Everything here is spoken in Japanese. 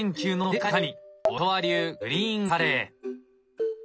音羽流グリーンカレー。